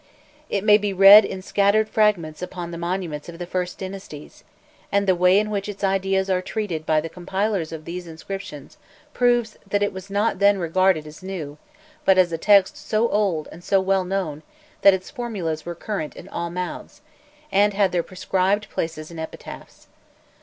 It may be read in scattered fragments upon the monuments of the first dynasties, and the way in which its ideas are treated by the compilers of these inscriptions proves that it was not then regarded as new, but as a text so old and so well known that its formulas were current in all mouths, and had their prescribed places in epitaphs.